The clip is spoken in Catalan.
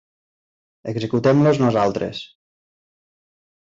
Executem-los nosaltres.